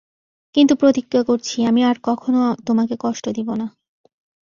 কিন্তু প্রতিজ্ঞা করছি, আমি আর কখনো তোমাকে কষ্ট দিব না।